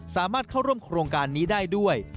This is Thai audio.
สามารถเข้าร่วมโครงการนี้ได้ด้วย